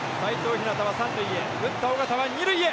陽は３塁へ打った尾形は２塁へ。